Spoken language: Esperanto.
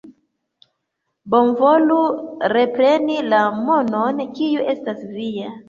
Bonvolu repreni la monon, kiu estas via.